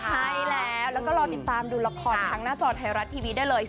ใช่แล้วแล้วก็รอติดตามดูละครทางหน้าจอไทยรัฐทีวีได้เลย